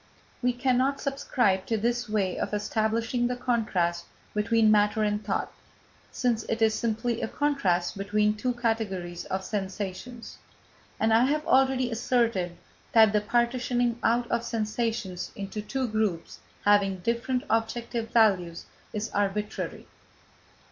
We cannot subscribe to this way of establishing the contrast between matter and thought, since it is simply a contrast between two categories of sensations, and I have already asserted that the partitioning out of sensations into two groups having different objective values, is arbitrary.